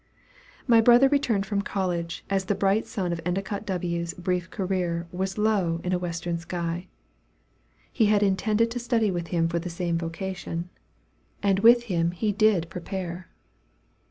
My brother returned from college as the bright sun of Endicott W.'s brief career was low in a western sky. He had intended to study with him for the same vocation and with him he did prepare.